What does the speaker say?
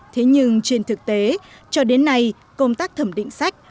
thế nhưng trên thực tế cho đến nay công tác thẩm định sách